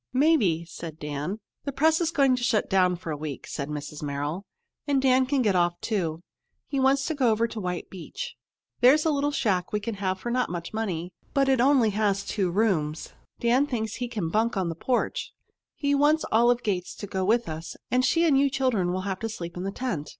"Maybe," said Dan. "The press is going to shut down for a week," said Mrs. Merrill, "and Dan can get off, too. He wants to go over to White Beach. There's a little shack we can have for not much money, but it has only two rooms. Dan thinks he can bunk on the porch. He wants Olive Gates to go with us, and she and you children would have to sleep in the tent."